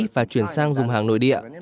và chuyển sang dùng hàng nội địa